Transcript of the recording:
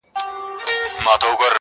خر هغه ګړی روان سو په ځنګله کي٫